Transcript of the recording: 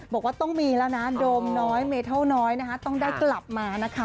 บอกว่าต้องมีโดมน้อยเมเตลน้อยต้องได้กลับมา